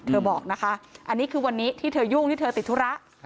บอกนะคะอันนี้คือวันนี้ที่เธอยุ่งที่เธอติดธุระ